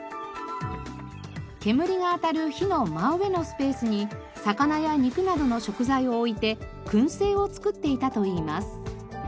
煙が当たる火の真上のスペースに魚や肉などの食材を置いて燻製を作っていたといいます。